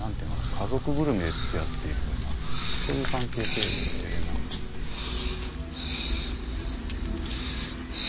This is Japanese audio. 家族ぐるみで付き合っているようなそういう関係性なんですよね。